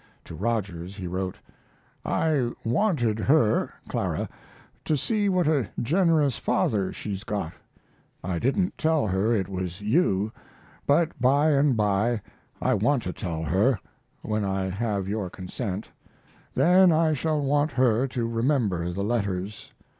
To Rogers he wrote: I wanted her [Clara] to see what a generous father she's got. I didn't tell her it was you, but by and by I want to tell her, when I have your consent; then I shall want her to remember the letters.